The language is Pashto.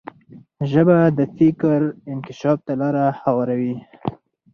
ژبه د فکر انکشاف ته لار هواروي.